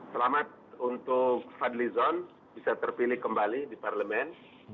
selamat untuk fadlizon bisa terpilih kembali di parlemen